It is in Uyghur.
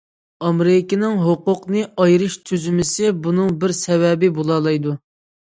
ئامېرىكىنىڭ ھوقۇقنى ئايرىش تۈزۈلمىسى بۇنىڭ بىر سەۋەبى بولالايدۇ.